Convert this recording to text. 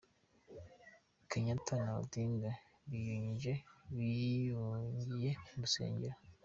Kenyatta na Odinga biyungiye mu rusengero.